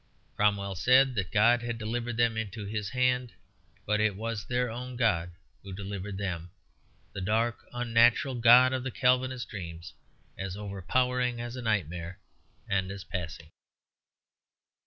Cromwell said that God had delivered them into his hand; but it was their own God who delivered them, the dark unnatural God of the Calvinist dreams, as overpowering as a nightmare and as passing.